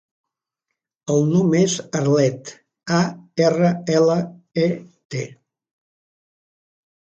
El nom és Arlet: a, erra, ela, e, te.